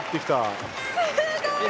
すごい！